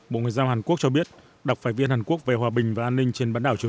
bộ ngoại giao hàn quốc cho biết đặc phái viên hàn quốc về hòa bình và an ninh trên bán đảo triều